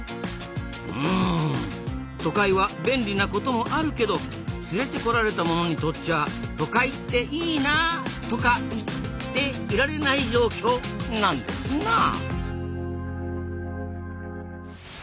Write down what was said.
うん都会は便利なこともあるけど連れてこられたものにとっちゃあ都会っていいな「とか言って」いられない状況なんですなあ。